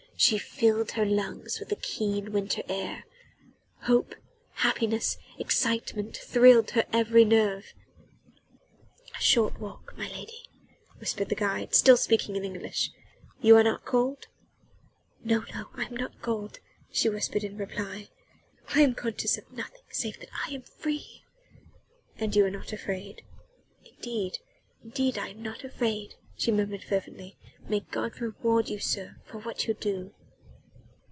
She filled her lungs with the keen winter air: hope, happiness, excitement thrilled her every nerve. "A short walk, my lady," whispered the guide, still speaking in English; "you are not cold?" "No, no, I am not cold," she whispered in reply. "I am conscious of nothing save that I am free." "And you are not afraid?" "Indeed, indeed I am not afraid," she murmured fervently. "May God reward you, sir, for what you do."